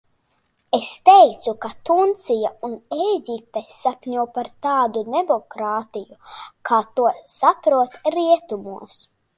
Es neticu, ka Tunisija un Ēģipte sapņo par tādu demokrātiju, kā to saprot rietumos.